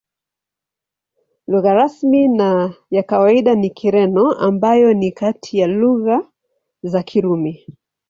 Lugha rasmi na ya kawaida ni Kireno, ambayo ni kati ya lugha za Kirumi.